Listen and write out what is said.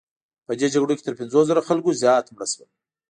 په دې جګړو کې تر پنځوس زره خلکو زیات مړه شول.